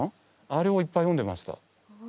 あれをいっぱい読んでました。